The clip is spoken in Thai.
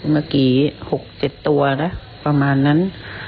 เมื่อกี้๖๗ตัวนะประมาณนั้น